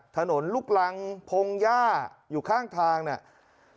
ถนนลูกรังพงหญ้าอยู่ข้างทางเนี่ย